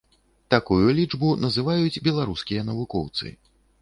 Такую лічбу называюць беларускія навукоўцы.